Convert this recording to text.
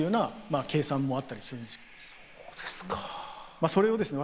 まあそれをですね